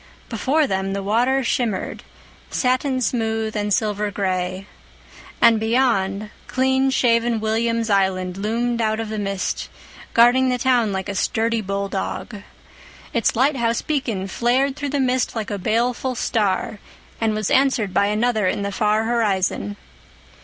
Before them the water shimmered, satin smooth and silver gray, and beyond, clean shaven William's Island loomed out of the mist, guarding the town like a sturdy bulldog. Its lighthouse beacon flared through the mist like a baleful star, and was answered by another in the far horizon.